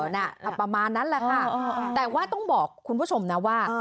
ประมาณนั้นแหละค่ะแต่ว่าต้องบอกคุณผู้ชมนะว่า